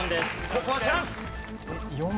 ここはチャンス！